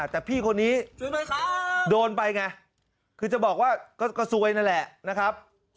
แต่พี่คนนี้โดนไปไงคือจะบอกว่าก็ซวยนั่นแหละนะครับ